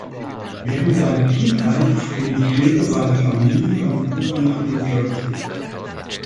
Während seiner Kindheit emigrierte seine Familie von Kuba nach New Jersey.